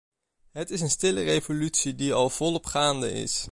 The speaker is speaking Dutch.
Het is een stille revolutie die al volop gaande is.